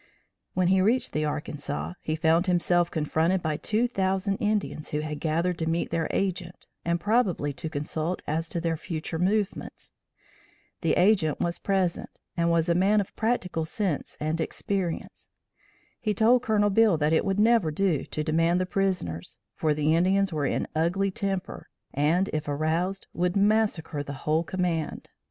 When he reached the Arkansas, he found himself confronted by two thousand Indians who had gathered to meet their agent and probably to consult as to their future movements. The agent was present and was a man of practical sense and experience. He told Colonel Beale that it would never do to demand the prisoners, for the Indians were in ugly temper and if aroused, would massacre the whole command.